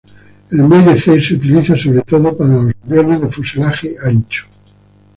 El muelle C se utiliza sobre todo para los aviones de fuselaje ancho.